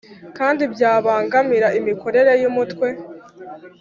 kandi byabangamira imikorere y Umutwe